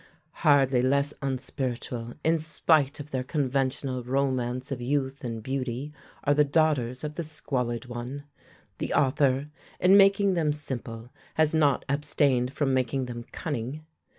Hardly less unspiritual, in spite of their conventional romance of youth and beauty, are the daughters of the squalid one. The author, in making them simple, has not abstained from making them cunning.